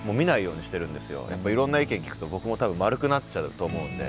やっぱいろんな意見聞くと僕も多分丸くなっちゃうと思うんで。